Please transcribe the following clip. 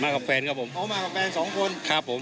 กับแฟนครับผมเขามากับแฟนสองคนครับผม